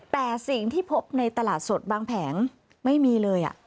แต่สิ่งที่พบในตลาดสดบางแผงไม่มีเลย